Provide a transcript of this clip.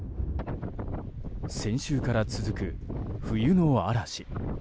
先週から続く冬の嵐。